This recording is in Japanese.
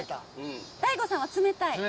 大悟さんは、冷たい。